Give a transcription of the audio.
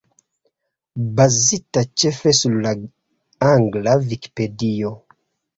Bazita ĉefe sur la angla Vikipedio.